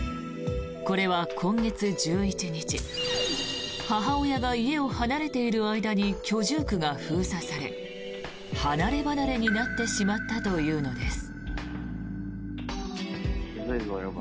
これは今月１１日母親が家を離れている間に居住区が封鎖され離ればなれになってしまったというのです。